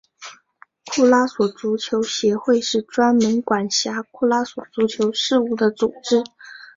库拉索足球协会是专门管辖库拉索足球事务的组织。